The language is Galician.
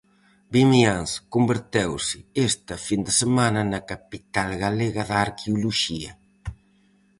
Vimianzo converteuse esta fin de semana na capital galega da arqueoloxía.